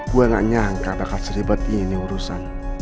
gue gak nyangka bakal seribet ini urusan